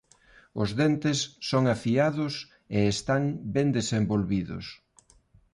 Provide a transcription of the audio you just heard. Os dentes son afiados e están ben desenvolvidos.